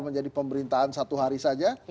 menjadi pemerintahan satu hari saja